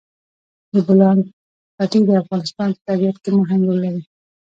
د بولان پټي د افغانستان په طبیعت کې مهم رول لري.